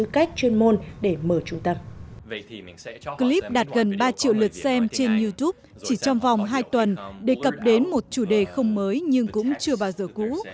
chịu lượt xem trên youtube chỉ trong vòng hai tuần đề cập đến một chủ đề không mới nhưng cũng chưa bao giờ cũ